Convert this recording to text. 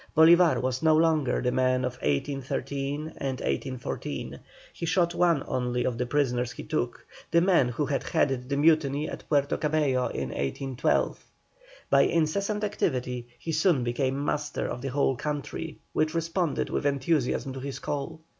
Bolívar was no longer the man of 1813 and 1814. He shot one only of the prisoners he took, the man who had headed the mutiny at Puerto Cabello in 1812. By incessant activity, he soon became master of the whole country, which responded with enthusiasm to his call.